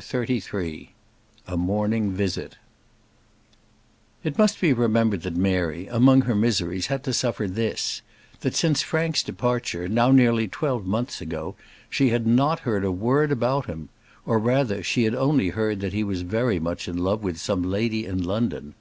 CHAPTER XXXIII A Morning Visit It must be remembered that Mary, among her miseries, had to suffer this: that since Frank's departure, now nearly twelve months ago, she had not heard a word about him; or rather, she had only heard that he was very much in love with some lady in London.